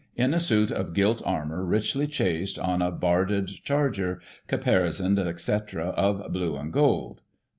In a suit of Gilt Armour, richly chased, Groom. on a barded Charger — caparisons, &c., of blue and gold.